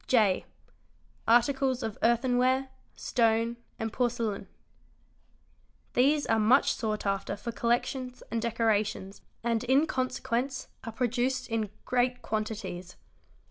J. Articles of Earthenware, Stone, and Porcelain. These are much sought after for collections and decorations and in consequence are produced in great quantities.